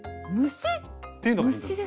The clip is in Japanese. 虫？っていうのがヒントですね。